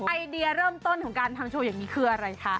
ไอเดียเริ่มต้นของการทำโชว์อย่างนี้คืออะไรคะ